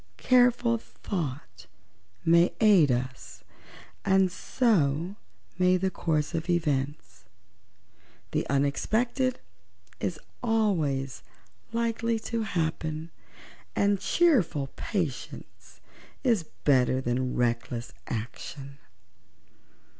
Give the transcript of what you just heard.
Careful thought may aid us, and so may the course of events. The unexpected is always likely to happen, and cheerful patience is better than reckless action."